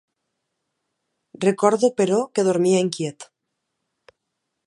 Recordo, però, que dormia inquiet